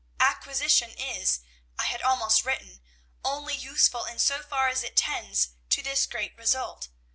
Acquisition is, I had almost written, only useful in so far as it tends to this great result.